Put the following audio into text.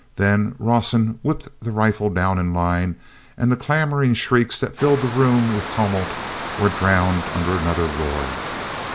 Then Rawson whipped the rifle down in line, and the clamoring shrieks that filled the room with tumult were drowned under another roar.